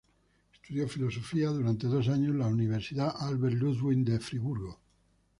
Estudió filosofía durante dos años en la Universidad Albert-Ludwigs de Friburgo.